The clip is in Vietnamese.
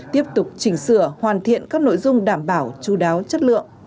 tiếp tục chỉnh sửa hoàn thiện các nội dung đảm bảo chú đáo chất lượng